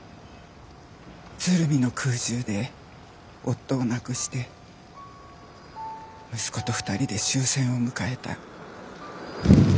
鶴見の空襲で夫を亡くして息子と２人で終戦を迎えた。